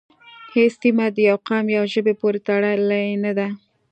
هیڅ سیمه د یوه قوم یا ژبې پورې تړلې نه ده